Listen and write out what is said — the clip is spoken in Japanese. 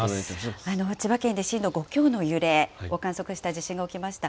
千葉県で震度５強の揺れを観測した地震が起きました。